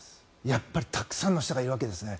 やっぱりたくさんの人がいるわけですね。